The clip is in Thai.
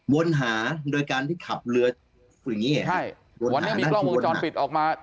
วนหาโดยการที่ขับเรือคืออย่างงี้ใช่วันนี้มีกล้องวงจรปิดออกมา